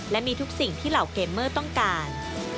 และมีทุกสิ่งที่เหล่าเกมเมอร์ต้องการ